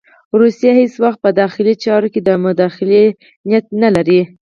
روسیه هېڅ وخت په داخلي چارو کې د مداخلې نیت نه لري.